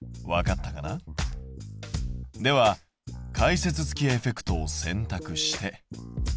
では解説付きエフェクトをせんたくして。